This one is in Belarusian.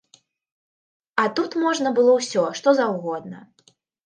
А тут можна было ўсё, што заўгодна.